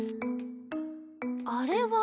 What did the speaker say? あれは。